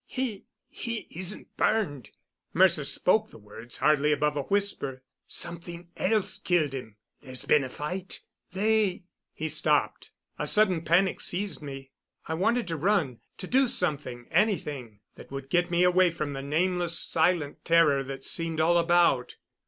"He he isn't burned." Mercer spoke the words hardly above a whisper. "Something else killed him there's been a fight. They " He stopped. A sudden panic seized me. I wanted to run to do something anything that would get me away from the nameless, silent terror that seemed all about.